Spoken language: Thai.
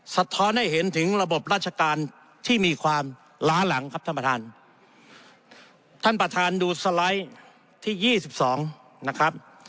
สะท้อนให้เห็นถึงระบบราชการที่มีความล้าหลังครับท่านประธานท่านประธานดูสไลด์ที่ยี่สิบสองนะครับ